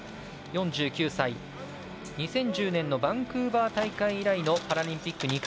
４９歳、２０１０年のバンクーバー大会以来のパラリンピック